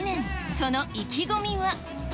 その意気込みは？